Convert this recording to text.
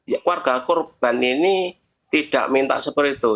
ya keluarga korban ini tidak minta seperti itu